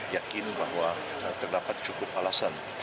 yakin bahwa terdapat cukup alasan